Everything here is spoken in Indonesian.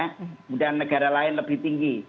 kemudian negara lain lebih tinggi